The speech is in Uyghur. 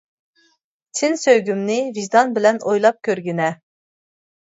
چىن سۆيگۈمنى، ۋىجدان بىلەن ئويلاپ كۆرگىنە.